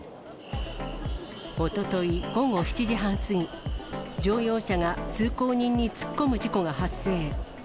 おととい午後７時半過ぎ、乗用車が通行人に突っ込む事故が発生。